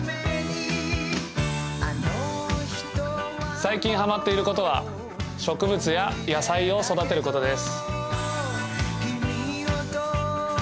最近ハマっていることは、植物や野菜を育てることです。